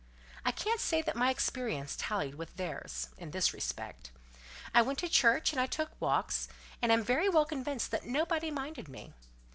I can't say that my experience tallied with theirs, in this respect. I went to church and I took walks, and am very well convinced that nobody minded me.